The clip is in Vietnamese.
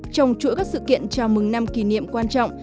trong chuỗi các sự kiện chào mừng năm kỷ niệm quan trọng